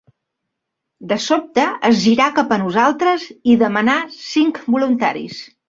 De sobte es girà cap a nosaltres i demanà cinc voluntaris